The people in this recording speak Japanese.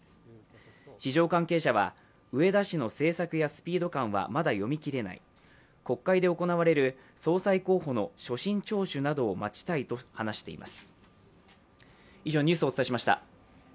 市場関係者は、植田氏の政策やスピード感はまだ読みきれない、国会で行われる総裁候補の所信聴取などを待ちたいと話しています。